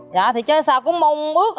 dạ thì chứ sao cũng mong ước